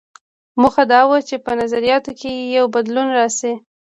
موخه دا وه چې په نظریاتو کې یې بدلون راشي.